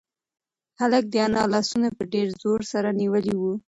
هلک د انا لاسونه په ډېر زور سره نیولي وو.